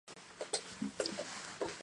罰がなければ、逃げるたのしみもない。